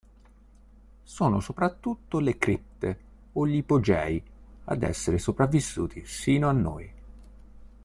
Sono soprattutto le cripte o gli ipogei ad essere sopravvissuti sino a noi.